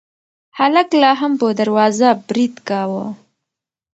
هلک لا هم په دروازه برید کاوه.